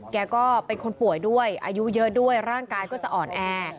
แกก็เป็นคนป่วยด้วยอายุเยอะด้วยร่างกายก็จะอ่อนแอ